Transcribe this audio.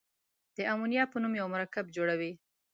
د امونیا په نوم یو مرکب جوړوي.